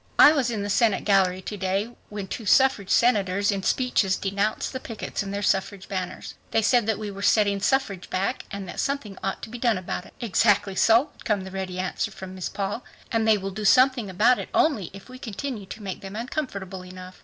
I was in the Senate gallery to day when two suffrage. senators in speeches denounced the pickets and their suffrage banners. They said that we were setting suffrage back and that something ought to be done about it." "Exactly so," would come the ready answer from Miss Paul. "And they will do something about it only if we continue to make them uncomfortable enough.